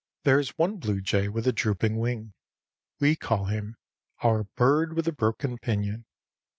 There is one blue jay with a drooping wing. We call him our "Bird with the broken pinion."